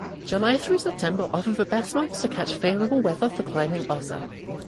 July through September offer the best months to catch favorable weather for climbing Ossa.